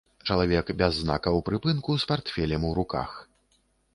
Чалавек без знакаў прыпынку з партфелем у руках.